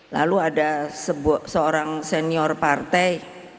lalu ada seorang senior partai